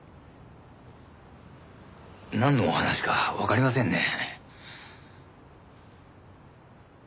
なんのお話かわかりませんね。